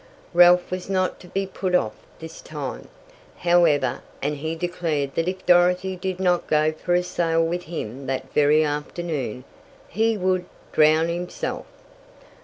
Ralph was not to be put off this time, however, and he declared that if Dorothy did not go for a sail with him that very afternoon he would drown himself.